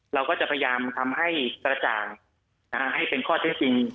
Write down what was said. เราก็จะพยายามทำให้กระจ่างให้เป็นข้อเท็จจริง